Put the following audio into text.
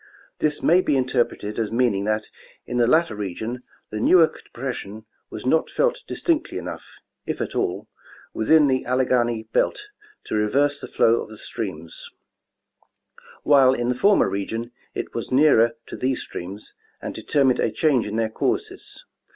This may be interpreted as meaning that in the latter region, the Newark depression was not felt distinctly enough, if at all, within the Alleghany belt to reverse the flow of the streams ; while in the former region, it was nearer to these streams and determined a change in their courses.